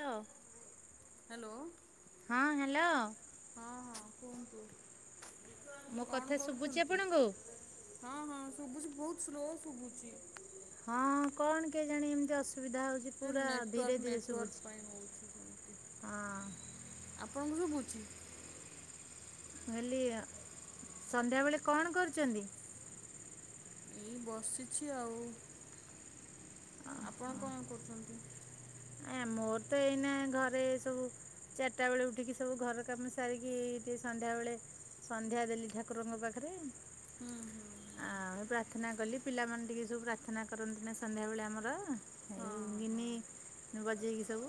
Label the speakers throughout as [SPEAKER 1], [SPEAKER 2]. [SPEAKER 1] Hello.
[SPEAKER 2] Hello.
[SPEAKER 1] ହଁ hello.
[SPEAKER 2] ହଁ ହଁ କୁହନ୍ତୁ କଣ କରୁଛନ୍ତି? ହଁ ହଁ ଶୁଭୁଚି ବହୁତ୍ ସ୍ଲୋ ଶୁଭୁଚି।
[SPEAKER 1] ହଁ କଣ କେଜାଣି ଏମ୍ ତି ଅସୁବିଧା ହଉଚି।
[SPEAKER 2] ସେ ନେଟ୍ ୱାର୍କ ନେଟ୍ ୱାର୍କ ପାଇଁ ହଉଛି ସେମ୍ ତି। ଆପଣଙ୍କୁ ସୁବୁଚି।
[SPEAKER 1] ମୁଁ କ‌ହିଲି ସନ୍ଧ୍ୟାବେେଳେ କଣ କରୁଚନ୍ତି?
[SPEAKER 2] ଏଇ ବସିଛି ଆଉ ଆପଣ କଣ କରୁଚନ୍ତି?
[SPEAKER 1] ଆଜ୍ଞା ମୋର ତ ଏଇନା ଘରେ ଏ ସବୁ ଚାର୍ ଟା ବେଳେ ଉଠିକି ସବୁ ଘର କାମ ସାରିକି ଟିକେ ସନ୍ଧ୍ୟା ବେଳେ ସନ୍ଧ୍ୟା ଦେଲି ଠାକୁରଙ୍କ ପାଖରେ ଆଉ ପ୍ରା ର୍ଥନା କଲି ପିଲାମାନେ ଟିକେ ସବୁ ପ୍ରାର୍ଥନା କରନ୍ତି ନା ସନ୍ଧ୍ୟାବେଳେ ଆମର ଏଇ ଗିନି ବଜେଇକି ସବୁ।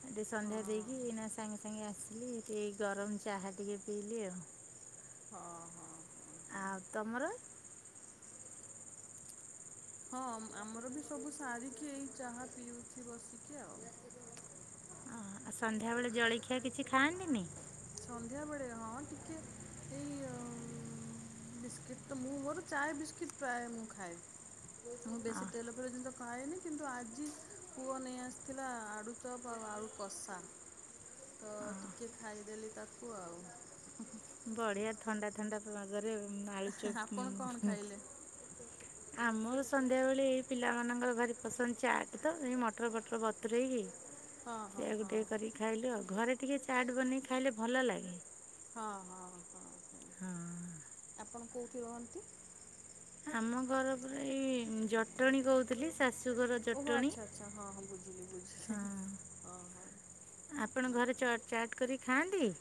[SPEAKER 1] ଟିକେ ସନ୍ଧ୍ୟା ଦେଇକି ଏଇନା ସାଙ୍ଗେ ସାଙ୍ଗେ ଆସିଲି ଏଇ ଗରମ ଚାହା ଟିକେ ପିଇଲି ଆଉ।
[SPEAKER 2] ହଁ ହଁ।
[SPEAKER 1] ଆଉ ତମର?
[SPEAKER 2] ହଁ ଆମର ବି ସବୁ ସାରିକି ଏଇ ଚାହା ପିଉଚି ବସିକି ଆଉ।
[SPEAKER 1] ଆଉ ସନ୍ଧ୍ୟାବେଳେ ଜଳଖିଆ କିଛି ଖାଆନ୍ତିନି।
[SPEAKER 2] ସନ୍ଧ୍ୟା ବେଳେ ହଁ ଟିକେ। ଏଇ ବିସ୍କିଟ୍ ତ ମୁଁ ମୋର ଚାଏ ବିସ୍କିଟ୍ ପ୍ରାୟ ମୁଁ ଖାଏ। ମୁଁ ବେଶୀ ତେଲ ଫେଲ ଜିନିଷ ତ ଖାଏନି କିନ୍ତୁ ଆଜି ପୁଅ ନେଇ ଆସିଥିଲା ଆଳୁ ଚପ୍ ଆଉ ଆଳୁ କଷା। ତ ଟିକେ ଖାଇଦେଲି ତାକୁ ଆଉ।
[SPEAKER 1] ବଢିଆ ଥଣ୍ଡା ଥଣ୍ଡା ପାଗରେ ଆଳୁ ଚପ୍। ଆମର ସନ୍ଧ୍ୟାବେେଳେ ଏଇ ପିଲା ମାନଙ୍କର ଭାରି ପସନ୍ଦ ଚାଟ ତ ଏଇ ମଟର ପଟର ବତୁରଇକି ସେଆ ଗୁ ଟେ କରିକି ଖାଇଲୁ ଆଉ ଘରେ ଟିକେ ଚାଟ ବନେଇକି ଖାଇଲେ ଭଲ ଲାଗେ।
[SPEAKER 2] ହଁ।
[SPEAKER 1] ହଁ।
[SPEAKER 2] ଆପଣ କୋଉଁଠି ରହନ୍ତି?
[SPEAKER 1] ଆମ ଘର ପରାଏ ଜଟଣୀ କହୁଥିଲି ଶାଶୁଘର ଜଟଣୀ।
[SPEAKER 2] ହଁ ହଁ ବୁଝିଲି ବୁଝଲିି ହଁ ହଁ।
[SPEAKER 1] ଆପଣ ଘରେ ଚଟ ଚାଟ କରିକି ଖାଆନ୍ତି?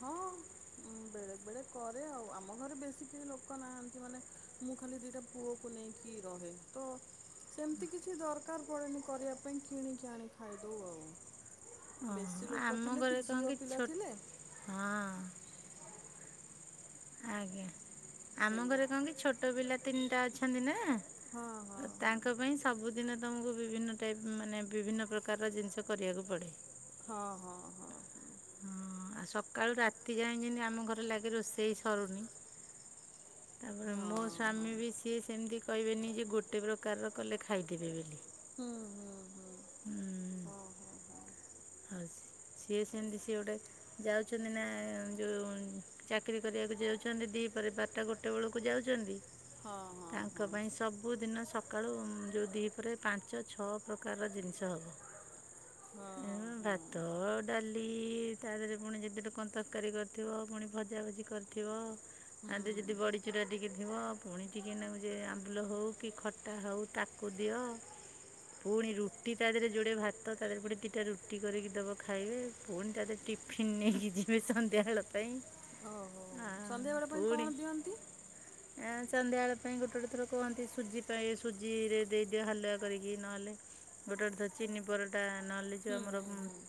[SPEAKER 2] ହଁ ବେଳେ ବେଳେ କରେ ଆଉ ଆମ ଘରେ ବେଶୀ କେଛି ଲୋକ ନାହାନ୍ତି ମାନେ ମୁଁ ଖାଲି ଦିଟା ପୁଅକୁ ନେଇକି ରହେ ତ ସେମିତି କିଛି ଦରକାର ପଡ଼େନି କରିବା ପାଇଁ କିଣିକି ଆଣି ଖାଇଦେଉ ଆଉ। ବେଶୀ ଲୋକ ଥିଲେ କି ଝିଅ ପିଲା ଥିଲେ
[SPEAKER 1] ହଁ। ଆଜ୍ଞା। ଆମ ଘରେ କଣ କି ଛୋଟ ପିଲା ତିନିଟା ଅଛନ୍ତି ନା ତ ତାଙ୍କ ପାଇଁ ସେ ସବୁଦିନ ତମକୁ ବିଭିନ୍ନ ଟାଇପ ମାନେ ବିଭିନ୍ନ ପ୍ରକାରର ଜିନିଷ କରିବାକୁ ପଡ଼େ।
[SPEAKER 2] ହଁ ହଁ ହଁ ହଁ।
[SPEAKER 1] ହଁ ଆଉ ସକାଳୁ ରାତି ଯାଏ ଯେମତି ଆମ ଘରେ ଲାଗେ ରୋଷେଇ ସରୁନି। ତାପରେ ମୋ ସ୍ୱାମୀ ବି ସିଏ ସେମିତି କହିବେନି ଯେ ଗୋଟେ ପ୍ରକାରର କଲେ ଖାଇଦେବେ ବୋଲି।
[SPEAKER 2] ହୁଁ ହୁଁ ହୁଁ।
[SPEAKER 1] ହୁଁ।
[SPEAKER 2] ହଁ ହଁ ହଁ
[SPEAKER 1] ଆଉ ସିଏ ସେମିତି ସିଏ ଗୋଟେ ଯାଉଛନ୍ତି ନା ଯୋଉ ଚାକିରୀ କରିବାକୁ ଯାଉଛନ୍ତି ଦୁଇ ପରେ ବାରଟା ଗୋଟେ ବେଳକୁ ଯାଉଛନ୍ତି। ତାଙ୍କ ପାଇଁ ସବୁଦିନ ସକାଳୁ ଯେଉଁ ଦୁଇ ପରେ ପାଞ୍ଚ ଛଅ ପ୍ରକାରର ଜିନିଷ ହେବ। ହଁ ଭା। ତ ଡାଲି ତା ଦେହରେ ପୁଣି ଯେତେବେଳେ କଣ ତରକାରୀ କରିଥିବ ପୁଣି ଭଜାଭଜି କରିଥିବ। ଆ ଯଦି। ଯଦି ବଡ଼ିଚୂୁରା ଟିକେ ଥିବ ପୁଣି ଟିକେନାକୁ ଯେ ଆମ୍ବୁଲ ହେଉ କି ଖଟା ହେଉ ତାକୁ ଦିଅ। ପୁଣି ରୁଟି ତା ଦେହରେ ଯୋଡେ ଭାତ ତଦେହରେ ପୁଣି ତୀ ଟ ରୁଟି କରିକି ଦବ ଖାଇବେ ପୁଣି ତା ଟିଫିିନ ନେଇକି ଯିବେ ସନ୍ଧ୍ୟା ବଳ ପାଇଁ।
[SPEAKER 2] ଓହୋ ସନ୍ଧ୍ୟାବେଳ ପାଇଁ କଣ ଦିଅନ୍ତି?
[SPEAKER 1] ଏ ସନ୍ଧ୍ୟା ବଳେ ପାଇଁ ଗୋଟେ ଗଟେ ଥର କୁହନ୍ତି ସୁଜି ପାଇଁ ସୁଜି ରେ ଦେଇଦିଅ ହାଲୁଆ କରିକି ନହେଲେ। ଗୋଟେଟେ ଚିନି ପରଟା ନହେଲେଛ ଆମର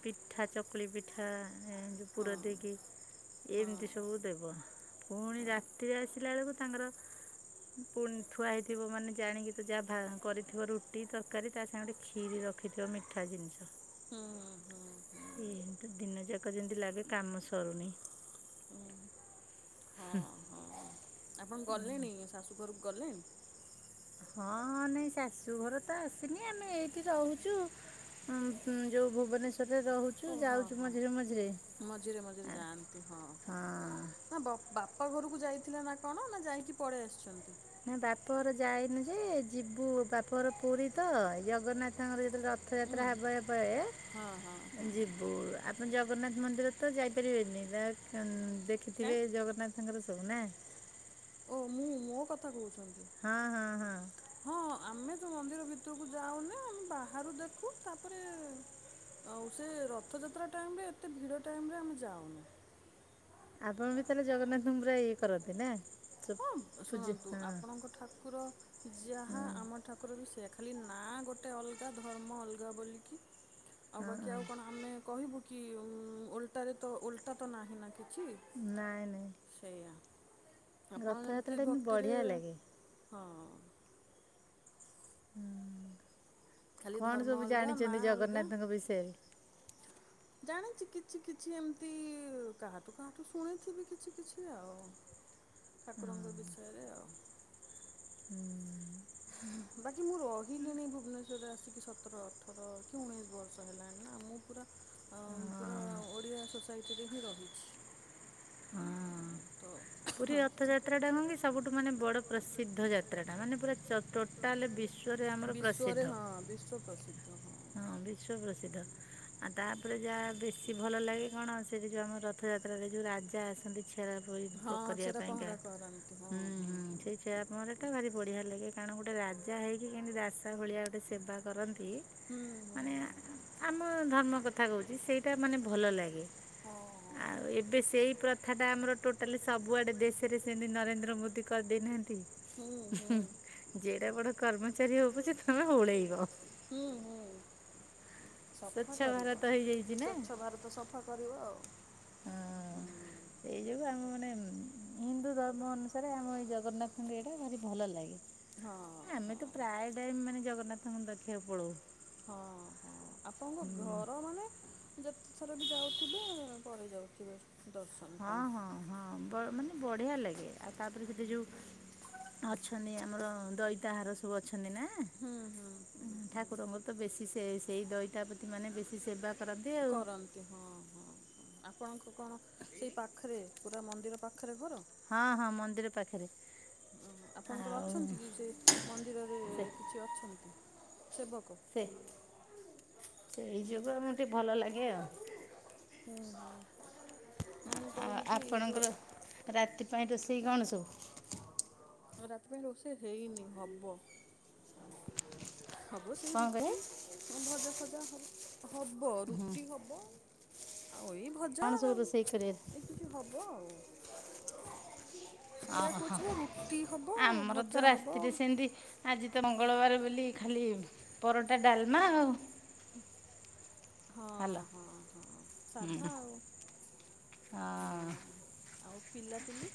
[SPEAKER 1] ପିଠା ଚକୁଳି ପିଠା ଏ ପୁର ଦେଇକି ଏମିତି ସବୁ ଦେବ ପୁଣି ରାତିରେ ଆସିଲା ବେଳକୁ ତାଙ୍କର ପୁଣି ଥୁଆ ହେଇଥିବ ମାନେ ଜାଣିକି ତ ଯାହା କରିଥିବ ରୁଟି ତରକାରୀ ତା ସାଙ୍ଗରେ କ୍ଷୀରି ରଖିଥିବ ମିଠା ଜିନିଷ
[SPEAKER 2] ହଁ ହଁ ହଁ।
[SPEAKER 1] ଏମତି ଦିନ ଯାକ ଯେମିତି ଲାଗେ କାମ ସରୁନି ହୁଁ।
[SPEAKER 2] ଆପଣ ଗଲେଣି ଶାଶୁ ଘରକୁ ଗଲେଣି?
[SPEAKER 1] ହଁ ନାଇଁ ଶାଶୁ ଘର ତ ଆସିନି ଆମେ ଏଇଠି ରହୁଛୁ ଉ ଯୋଉ ଭୁବନେଶ୍ଵରରେ ରହୁଛୁ
[SPEAKER 2] ହଁ ହଁ ମଝିରେ ମଝିରେ ଯାଆନ୍ତି ହଁ ହଁ। ନା ବାପା ଘରକୁ ଯାଇଥିଲେ ନା କଣ ନା ଯାଇକି ପଳେଇ ଆସିଛନ୍ତି?
[SPEAKER 1] ନା ବାପ ଘର ଯାଇନୁ ଯେ ଯିବୁ ବାପ ଘର ପୁରୀ ତ ଜଗନ୍ନାଥଙ୍କର ଯେତେବେଳେ ର ରଥଯାତ୍ରା ହେବ ଏବେ ଯିବ ଆ ଆପଣ ଜଗନ୍ନାଥ ମନ୍ଦିର ତ ଯାଇପାରିବେନି ଦେଖିଥିବେ ଜଗନ୍ନାଥ ସାଙ୍ଗରେ ସବୁ ନା
[SPEAKER 2] ହ ମୁଁ ମୋ କଥା କହୁଛନ୍ତି
[SPEAKER 1] ହଁ ହଁ ହଁ।
[SPEAKER 2] ହଁ ଆମେ ତ ମନ୍ଦିର ଭିତରକୁ ଯାଉନି ଆମେ ବାହାରୁ ଦେଖୁ ତାପରେ ଆଉ ସେ ରଥଯାତ୍ରା ଟାଇମ୍ ରେ ଏତେ ଭିଡ଼ ଟାଇମେ ଆମେ ଯାଉନୁ
[SPEAKER 1] ଆପଣ ବି ତାହେଲେ ଜଗନ୍ନାଥଙ୍କୁ ପୁରା ଇଏ କରନ୍ତି ନା?
[SPEAKER 2] ଶୁଣନ୍ତୁ ଆପଣଙ୍କ ଠାକୁର ଯାହା ଆମ ଠାକୁର ଠାକୁର ବି ସେୟା ଖାଲି ନା ଗୋଟେ ଅଲଗା ଧର୍ମ ଅଲଗା ବୋଲିକି ଆଉ ବାକି ଆଉ କଣ ଆମେ କହିବୁ କି ଓଲ୍ଟାରେ ତ ଓଲଟା ତ ନାହିଁ ନା କିଛି
[SPEAKER 1] ନାଇଁ ନାଇଁ
[SPEAKER 2] ସେଇଆା ଆପଣ ଯେମିତି ଭକ୍ତିରେ ହଁ।
[SPEAKER 1] କଣ ସବୁ ଜାଣିଛନ୍ତି ଜଗନ୍ନାଥଙ୍କ ବିଷୟରେ?
[SPEAKER 2] ଜାଣିଛି କିଛି କିଛି ଏମିତି କାହାଠୁ କାହାଠୁ ଶୁଣିଥିବି କିଛି କିଛି ଆଉ
[SPEAKER 1] [inaudible]
[SPEAKER 2] ଠାକୁରଙ୍କ ବିଷୟରେ ଆଉ
[SPEAKER 1] ହୁଁ।
[SPEAKER 2] ବାକି ମୁଁ ରହିଲିଣି ଭୁବନେଶ୍ୱରରେ ଆସିକି ସତର ଅଠର କି ଉଣେଇଶ ବର୍ଷ ହେଲାଣି ନା ମୁଁ ପୁରା ଆ ପୁରା ଓଡ଼ିଆ ସୋସାଇଟିରେ ହିଁ ରହିଛି।
[SPEAKER 1] ହଁ। ପୁରୀ ରଥଯାତ୍ରାଟା ଟାଇମ କି ସବୁଠୁ ମାନେ ବଡ଼ ପ୍ରସିଦ୍ଧ ଯାତ୍ରାଟା ମାନେ ପୁରା ତାହେଲେ ବିଶ୍ୱରେ ଆମର ପ୍ରସିଦ୍ଧ।
[SPEAKER 2] ହ ବିଶ୍ୱ ପ୍ରସିଦ୍ଧ। ଓହୋ।
[SPEAKER 1] ହଁ ବିଶ୍ଵ ପ୍ରସିଦ୍ଧ। ଆଉ ତାପରେ ଯାହା ବେଶୀ ଭଲ ଲାଗେ କଣ ସେଠି ଯୋଉ ଆମ ରଥଯାତ୍ରାରେ ଯୋଉ ରାଜା ଆସନ୍ତି ଛିଆର କରିବା ପାଇଁକାା ହୁଁ ହୁଁ ସେଇ ଛେରା ପହରା ଟା ଭାରି ବଢ଼ିଆ ଲାଗେ କାରଣ ଗୋଟେ ରାଜା ହେଇକି କେମିତି ଦାସା ଭଳିଆ ଗୋଟେ ସେବା କରନ୍ତି
[SPEAKER 2] ହୁଁ।
[SPEAKER 1] ମାନେ ଆମ ଧର୍ମ କଥା କହୁଛି ସେଇଟା ମାନେ ଭଲ ଲାଗେ ଆଉ ଏବେ ସେଇ ପ୍ର କଥାଟା ଆମର ଟୋଟାଲି ସବୁଆଡ଼େ ଦେଶରେ ସେମିତି ନରେନ୍ଦ୍ର ମୋଦି କରିଦେଇନାହାଁନ୍ତି ଯେଟା ବଡ କର୍ମଚାରୀ ହବ ସେ ତମେ ଓଳେଇବ
[SPEAKER 2] ହୁଁ ହୁଁ। ସଫା କରିବ, ସ୍ୱଚ୍ଛ ଭାରତ ସଫା କରିବ ଆଉ ହୁଁ।
[SPEAKER 1] ଏଇ ଯୋଉ ଆମ ମାନେ, ହିନ୍ଦୁ ଧର୍ମ ଅନୁସାରେ ଆମ ଏଇ ଜଗନ୍ନାଥଙ୍କ ଏଇଟା ଭାରି ଭଲ ଲାଗେ। ଆମେ ତ ପ୍ରାୟ ଟାଇମ୍ ମାନେ ଜଗନ୍ନାଥଙ୍କୁ ଦେଖିବାକୁ ପଲାଉ।
[SPEAKER 2] ହଁ ହଁ ଆପଣଙ୍କ ଘର ମାନେ। ଯେତେଥର ବି ଯାଉଥିବେ ପଳେଇ ଯାଉଥିବେ ଦର୍ଶ
[SPEAKER 1] ହଁ ହଁ ହଁ ବ ମାନେ ବଢିଆ ଲାଗେ। ଆଉ ତାପରେ ସେଠୀ ଯୋଉ ଅଛନ୍ତି ଆମର ଦଇତାହାର ସବୁ ଅଛନ୍ତି ନା। ଆଁ ଉଁ ଠାକୁରଙ୍କର ତ ବେଶୀ ସେ ସେଇ ଦଇତାପତି ମାନେ ବେଶୀ ସେବା
[SPEAKER 2] କରନ୍ତି। ହଁ ହଁ ଆପଣଙ୍କ କଣ ସେଇ ପାଖରେ ପୁରା ମନ୍ଦିର ପାଖେରେ ଘର। ଆଉ ଆପଣଙ୍କର ଅଛନ୍ତି କି ଯେ ମନ୍ଦିରରେ କିଛି ଅଛନ୍ତି, ସେବକ
[SPEAKER 1] ସେ ସେଇ ଯୋଗୁ ଆମକୁ ଟିକେ ଭଲ ଲାଗେ ଆଉ।
[SPEAKER 2] ହୁଁ ହୁଁ
[SPEAKER 1] ଆଉ ଆପଣଙ୍କର ରାତି ପାଇଁ ରୋଷେଇ କଣ ସବୁ?
[SPEAKER 2] ମ ରାତି ପାଇଁ ରୋଷେଇ ହେଇନି ହବ। ହବ ସେଇ ରୁଟି, ହଁ ଭଜା ଫଜା ହବ ରୁଟି ହବ ଆଉ ଏଇ ଭଜା, ଆଉ ଏ କିଛି ହବ ଆଉ।
[SPEAKER 1] ଓହୋ ଆମର ତ ରାତିରେ ସେନ୍ତି ଆଜି ତ ମଙ୍ଗଳ ବାରେ ବୋଲି ଖାଲି ପରଟା ଡାଲମା ଆଉ।
[SPEAKER 2] ହଁ ହଁ ହଁ ସାଧା ଆଉ।
[SPEAKER 1] ଆ
[SPEAKER 2] ଆଉ ପିଲାପିଲି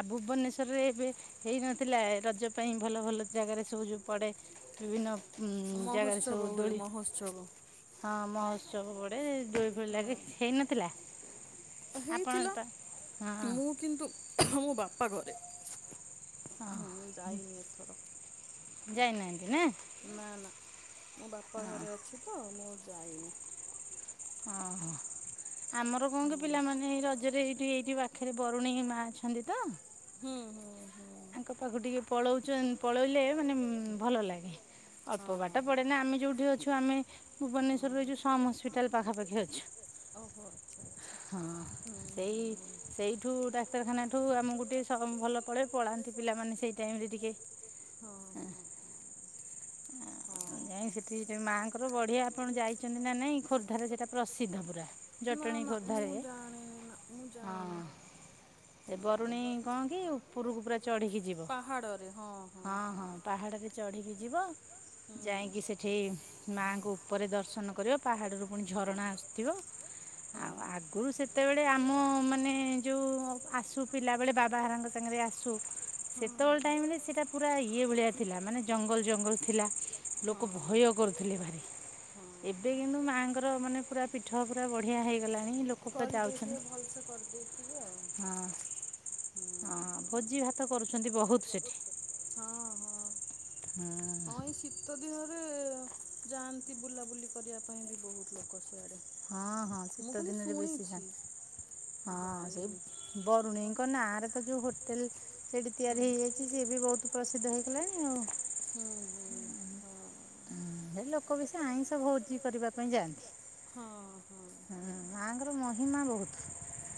[SPEAKER 1] ଆଉ ଭୁବନେଶ୍ୱରରେ ଏବେ ହେଇନଥିଲା ରଜ ପାଇଁ ଭଲ ଭଲ ଜାଗାରେ ସବୁ ଯେଉଁ ଯୁ ପଡେ ବିଭିନ୍ନ ଉଁ ଜାଗା ରେ ସବୁ ଦୋଳି। ହଁ ମହୋତ୍ସବ ପଡେ ଯୋଉ ଭଲ୍ ଲାଗେ, ହେଇନଥିଲା ଆପଣ ତ ହଁ।
[SPEAKER 2] କିନ୍ତୁ ମୋ ବାପା ଘରେ
[SPEAKER 1] ହଁ ଯାଇନାହାନ୍ତି ନା।
[SPEAKER 2] ନା ନା ମୋ ବାପା ଘରେ ଅଛି ତ ମୁଁ ଯାଇନି।
[SPEAKER 1] ଅହ ଆମର କଣ କି ପିଲାମାନେ ଏଇ ରଜରେ ଏଇଠି ଏଇଠି ପାଖରେ ବ ରୁଣୀ ମା ଅଛନ୍ତି ତ,
[SPEAKER 2] ହୁଁ ହୁଁ ହୁଁ
[SPEAKER 1] ଙ୍କ ପାଖକୁ ଟିକେ ପଳଉଚୁ ପଳେଇଲେ ମାନେ ଭଲ ଲାଗେ। ଅଳ୍ପ ବାଟ ପଡେନା ଆମେ ଯେଉଠି ଅଛୁ ଆମେ ଭୁବନେଶ୍ୱରରେ ଯଉ ସମ୍ ହସ୍ପିଟାଲ ପାଖପାଖି ଅଛୁ।
[SPEAKER 2] ଓହୋ ଆଚ୍ଛା ଆଚ୍ଛା ହୁଁ ହୁଁ
[SPEAKER 1] ସେଇଠୁ ଡାକ୍ତରଖାନାଠୁ ଆମୁକୁ ଟିକେ ସହମ୍ ଭଲ ପଡେ, ପଳାନ୍ତି ପିଲାମାନେ ସେଇ ଟାଇମ୍ ରେ ଟିକେ
[SPEAKER 2] ହଁ ହଁ ହଁ
[SPEAKER 1] ନାଇଁ ସେଠି ଯୋଉ ମାଆଙ୍କର ବଢିଆ ଆପଣ ଯାଇଛନ୍ତି ନା ନାଇଁ ଖୋର୍ଦ୍ଧାରେ ସେଇଟା ପ୍ରସିଦ୍ଧ ପୁରା। ଜଟଣୀ ଖୋର୍ଦ୍ଧାରେ ହଁ। ଏ ବରୁଣୀ କଣ କି ଉପରକୁ ପୁରା ଚଢିକି ଯିବ୍ ଅ ହଁ ହଁ ପାହାଡରେ ଚଢିକି ଯିବ। ଯାଇଁକି ସେଠି ମାଆଙ୍କୁ ଉପରେ ଦର୍ଶନ କରିବ, ପାହାଡରୁ ପୁଣି ଝରଣା ଆସୁଥିବ। ଆଉ ଆଗରୁ ସେତେବେଳେ ଆମ ମାନେ ଯୋଉ ଅ ଆସୁ ପିଲା ବେଳେ ବାବାହାରଙ୍କ ସାଙ୍ଗରେ ଆସ୍ ଛୁ ସେତବଳ ଟାଇମିରେ ସେଟା ପୁରା ଇଏ ଭଳିଆ ଥିଲା ମାନେ ଜଙ୍ଗଲ୍ ଜଙ୍ଗଲ୍ ଥି ଥିଲା ଲୋକ ଭୟ କରୁଥିଲେ ଭାରି। ଏବେ କିନ୍ତୁ ମାଆଙ୍କର ମାନେ ପୁରା ପୀଠ ପୁରା ବଢ଼ିଆ ହେଇଗଲାଣି ଲୋ
[SPEAKER 2] ଦେଇଥିବେ ଭଲ୍ସେ କରିଦେଇଥିବେ ଆଉ।
[SPEAKER 1] ହଁ [inaudible] ହଁ ଭୋଜି ଭାତ କରୁଛନ୍ତି ବହୁତ୍ ସେଠି।
[SPEAKER 2] ହଁ ହ।
[SPEAKER 1] ହଁ।
[SPEAKER 2] ହଁ ଏଇ ଶୀତ ଦିହରେ ଏଅ ଯାଆନ୍ତି ବୁଲାବୁଲି କରିବା ପାଇଁ ବି ବୋହୁତ୍ ଲୋକ ସିଆଡ଼େ।
[SPEAKER 1] ହଁ ହଁ ଶୀତ ଦିନରେ ବେଶୀ ଧ୍ୟନ୍ ହଁ ସେଇ। ବରୁଣେଇଙ୍କ ନାଁରେ ତ ଯୋଉ ହୋଟେଲ୍ ସେଇଠି ତିଆରି ହେଇଯାଇଚି ସିଏ ବି ବୋହୁତ୍ ପ୍ରସିଦ୍ଧ ହେଇଗଲାଣି ଆଉ।
[SPEAKER 2] ହୁଁ ହୁଁ ହଁ।
[SPEAKER 1] ହଁ ହେ ଲୋକ ବି ସେ ଆଇଁଷ ଭୋଜି କରିବା ପାଇଁ ଯାଆନ୍ତି।
[SPEAKER 2] ହଁ ହଁ।
[SPEAKER 1] ହଁ ମାଆଁଙ୍କର ମହିଁମା ବୋହୁଥୁ।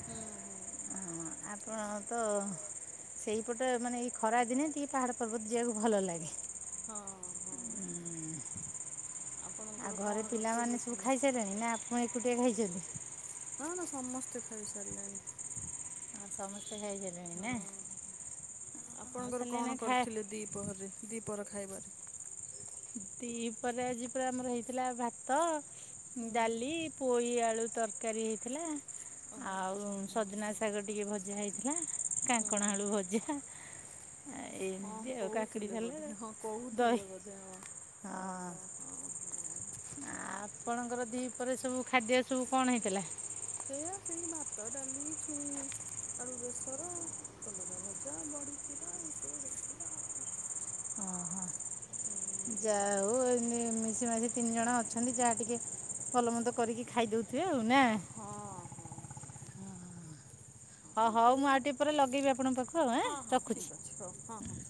[SPEAKER 2] ହୁଁ ହୁଁ।
[SPEAKER 1] ଆଁ ହଁ ଆପଣ ତ ସେଇପଟେ ମାନେ ଏଇ। ଖରାଦିନେ ଟିକେ ପାହାଡ଼ ପର୍ବତ୍ ଯିଆକୁ ଭଲ ଲାଗେ।
[SPEAKER 2] ହଁ ହଁ।
[SPEAKER 1] ଆଉ ଘରେ ପିଲାମାନେ ସବୁ ଖାଇସାଇଲେଣି ନା ଆପଣ ଏକୁଟିଆ ଖାଇଚନ୍ତି?
[SPEAKER 2] ହଁ ନାଁ ସମସ୍ତେ ଖାଇ ସାରିଲେଣି।
[SPEAKER 1] ସମସ୍ତେ ଖାଇସାରି
[SPEAKER 2] ହଁ ଆପଣଙ୍କର କଣ କରିଥିଲେ ଦିପହର୍ରେ ଦି ପର ଖାଇବାରେ?
[SPEAKER 1] ଦି ପରେ ଆଜି ପୁରା ଆମର ହେଇଥିଲା ଭାତ ଡାଲି ପୋଇ ଆଳୁ ତରକାରୀ ହେଇଥେଲା ଆଉ ସଜନା ଶାଗ ଟିକେ ଭଜା ହେଇଥିଲା। କାଙ୍କଣା ଆଳୁ ଭଜ୍ହା।
[SPEAKER 2] ହଁ କୋଉଥିଲେ ବୋଧେ ହଁ କୋଉଥିଲେ ବୋଧେ ଅଁ।
[SPEAKER 1] ହଁ। ଆ ଆପଣଙ୍କର ଦିପରେ ସବୁ ଖାଦ୍ୟ ସବୁ କଣ ହେଇତେଲା?
[SPEAKER 2] ସେୟା ସେଇ ଭାତ ଡ଼ାଲି ଛୁଇଁ। ଆଳୁ ବେସର କଲରା ଭଜା ବଢ଼ିଚୁରା ଏସବୁ ହେଇଥିଲା ଆଉ।
[SPEAKER 1] ହଁ ହ।
[SPEAKER 2] [inaudible] ହୁଁ।
[SPEAKER 1] ଯା ଓଉ ଏ ମି ମିଶି ମାସି ତିନି ଜଣ ଅଛନ୍ତି ଯାଆ ଟିକେ ଭଲ ମନ୍ଦ କରିକି ଖାଇଦୋଉ। ଥି ଆଉ ନାଁ।
[SPEAKER 2] ହଁ ହଁ ହଁ। ହଁ ମି ସେଇୟା ଆଉ। [inaudible] ହଁ ହଁ ଠିକ୍ ଅଛି ହୋଉ ହଁ ହଁ।